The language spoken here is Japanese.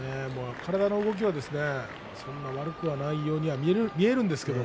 体の動きはそんなに悪くはないようには見えるんですけども。